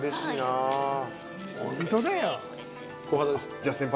じゃあ先輩。